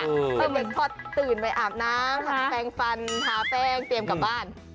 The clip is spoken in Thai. คือเด็กพอตื่นไปอาบน้ำทำแปลงฟันทาแป้งเตรียมกลับบ้าน